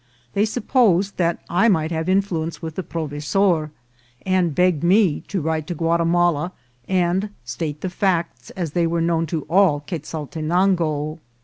They suppo sed that I might have influence with the provesor, and begged me to write to Guatimala, and state the facts as they were known to all Quezaltenango.